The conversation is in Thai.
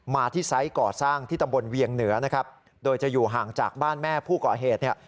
มาที่ไซส์ก่อสร้างที่ตำบลเวียงเหนือนะครับโดยจะอยู่ห่างจากบ้านแม่ผู้ก่อเหตุเนี่ย